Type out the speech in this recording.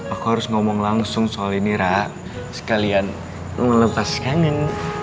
aku harus ngomong langsung soal ini rara sekalian mau lepas kangen